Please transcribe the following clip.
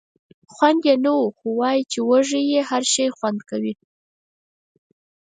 خونده یې نه وه خو وایي چې وږی یې هر شی خوند کوي.